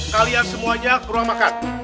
kalian semuanya kurang makan